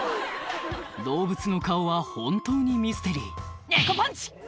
動物の顔は本当にミステリー「ネコパンチ！」